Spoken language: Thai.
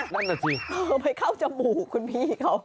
นั่นน่ะสิไปเข้าจมูกคุณพี่เขา